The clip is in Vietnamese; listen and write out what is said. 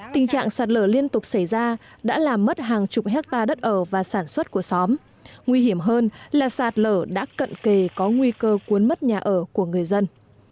tình trạng sạt lở liên tục xảy ra đã làm mất hàng chục hectare đất ở và sản xuất của xóm nguy hiểm hơn là sạt lở đã cận kề có nguy cơ cuốn mất nhà ở của người dân